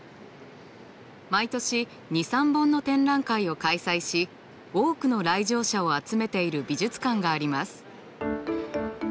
毎年２３本の展覧会を開催し多くの来場者を集めている美術館があります。